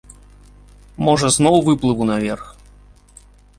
Можа зноў выплыву наверх?